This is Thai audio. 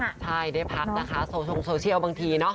ใช่ได้พักนะคะโซเชียลบางทีเนาะ